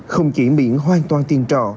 không chỉ miễn hoàn toàn tiền trọ